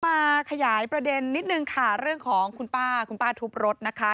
มาขยายประเด็นนิดนึงค่ะเรื่องของคุณป้าคุณป้าทุบรถนะคะ